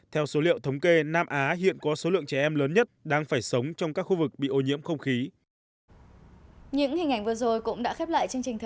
theo số liệu thống kê nam á hiện có số lượng trẻ em lớn nhất đang phải sống trong các khu vực bị ô nhiễm không khí